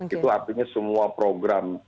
itu artinya semua program